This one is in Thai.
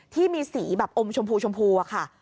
ที่มีสีแบบอมชมพูค่ะ